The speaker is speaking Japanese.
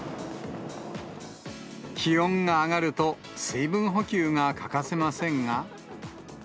気温が上がると、水分補給が欠かせませんが。